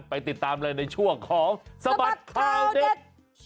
ไปติดตามเลยในช่วงของสบัดข่าวเด็ด